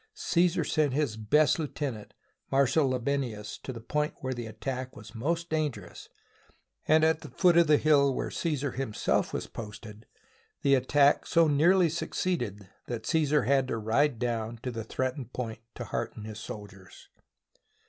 Caesar sent his best lieutenant, the Marshal Labienus, to the point where the attack was most dangerous, and at the foot of the hill where Caesar himself was posted, the attack so nearly succeeded that Caesar had to ride down to the threatened point to hearten his soldiers.